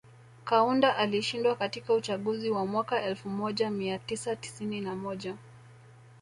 Kaunda alishindwa katika uchaguzi wa mwaka elfu moja mia tisa tisini na moja